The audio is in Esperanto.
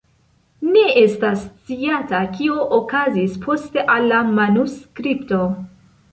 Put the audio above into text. Ne estas sciata kio okazis poste al la manuskripto.